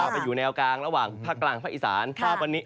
ไปอยู่แนวกลางระหว่างภาคกลางภาคอีสานวันนี้